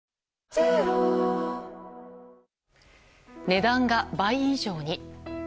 値段が倍以上に。